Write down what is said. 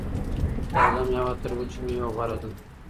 تازه میوه تر وچې میوې غوره ده.